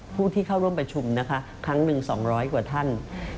ผู้ที่เข้าร่วมประชุมนะคะครั้งหนึ่ง๒๐๐กว่าท่าน